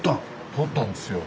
撮ったんですよ。